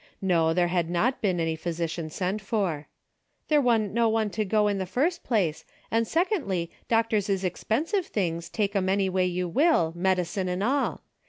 'No, there had not been any physician sent for. " There Avan't no one to go in the first place, and, secondly, doctors is expensive things, take 'em anyway you will, medicine and all.